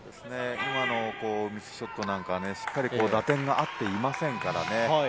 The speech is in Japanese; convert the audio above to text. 今のミスショットなんか、打点が合っていませんからね。